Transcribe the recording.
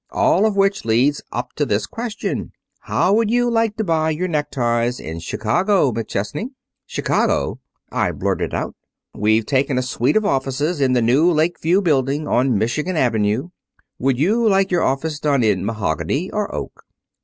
All of which leads up to this question: How would you like to buy your neckties in Chicago, McChesney?' "'Chicago!' I blurted. "'We've taken a suite of offices in the new Lakeview Building on Michigan Avenue. Would you like your office done in mahogany or oak?'"